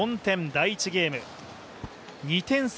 第１ゲーム、２点差。